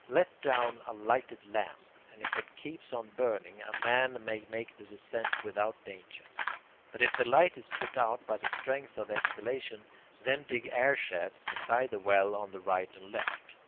Let down a lighted lamp, and if it keeps on burning, a man may make the descent without danger. But if the light is put out by the strength of the exhalation, then dig air shafts beside the well on the right and left.